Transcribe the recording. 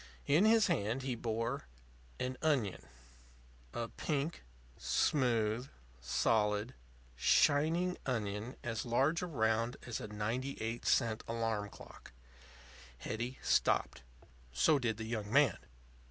In his hand he bore an onion a pink, smooth, solid, shining onion as large around as a ninety eight cent alarm clock. Hetty stopped. So did the young man.